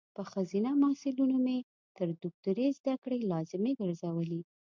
په خځینه محصلینو مې تر دوکتوری ذدکړي لازمي ګرزولي